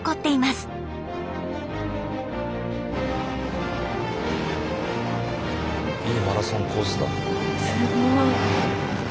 すごい。